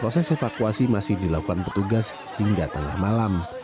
proses evakuasi masih dilakukan petugas hingga tengah malam